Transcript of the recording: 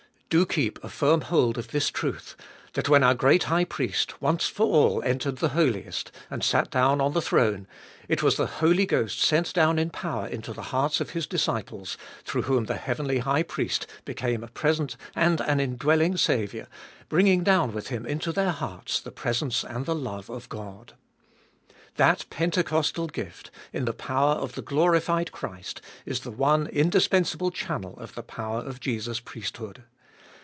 Do keep a firm hold of this truth, that when our great High Priest once for all entered the Holiest, and sat down on the throne, it was the Holy Ghost sent down in power into the hearts of His disciples^ through whom the heavenly High Priest became a present and an indwelling Saviour ; bringing down with Him into their hearts the presence and the love of God. That Pentecostal gift, in the power of the glorified Christ, is the one indispensable channel of the power of Jesus' priesthood.